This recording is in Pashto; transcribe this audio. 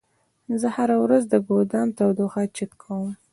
زه هره ورځ د ګودام تودوخه چک کوم.